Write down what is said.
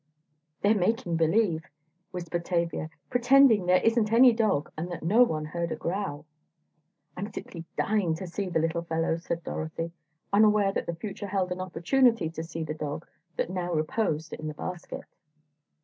"They're making believe," whispered Tavia, "pretending there isn't any dog, and that no one heard a growl!" "I'm simply dying to see the little fellow!" said Dorothy, unaware that the future held an opportunity to see the dog that now reposed in the basket.